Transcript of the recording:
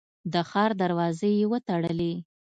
د ښار دروازې یې وتړلې.